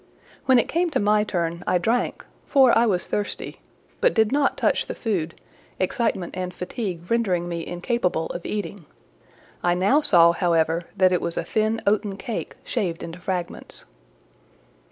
When it came to my turn, I drank, for I was thirsty, but did not touch the food, excitement and fatigue rendering me incapable of eating: I now saw, however, that it was a thin oaten cake shared into fragments.